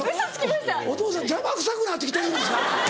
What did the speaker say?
お父さん邪魔くさくなってきてるんですか